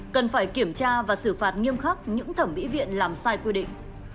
cần phải kiểm tra và xử phạt nghiêm khắc những thẩm mỹ viện làm sai quy định